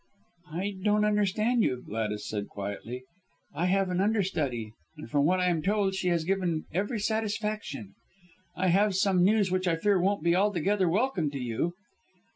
"I don't understand you," Gladys said quietly. "I have an understudy, and from what I am told she has given every satisfaction. I have some news which I fear won't be altogether welcome to you."